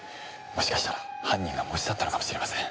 もしかしたら犯人が持ち去ったのかもしれません。